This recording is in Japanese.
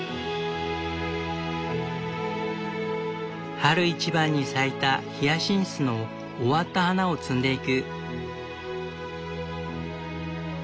春一番に咲いたヒヤシンスの終わった花を摘んでいく。